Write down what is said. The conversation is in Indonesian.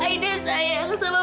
aida yang rawat bapak